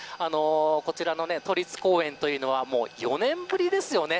こちらの都立公園というのは４年ぶりですよね。